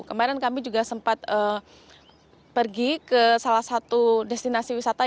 kemarin kami juga sempat pergi ke salah satu destinasi wisata